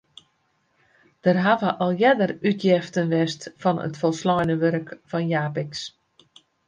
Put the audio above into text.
Der hawwe al earder útjeften west fan it folsleine wurk fan Japicx.